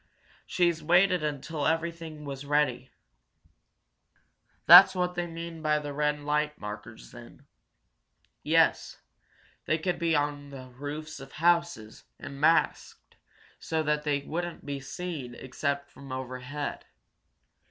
She's waited until everything was ready." "That what they mean by the red light markers, then?" "Yes. They could be on the roofs of houses, and masked, so that they wouldn't be seen except from overhead.